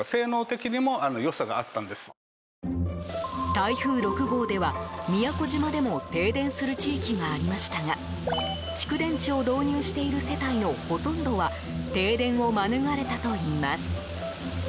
台風６号では、宮古島でも停電する地域がありましたが蓄電池を導入している世帯のほとんどは停電を免れたといいます。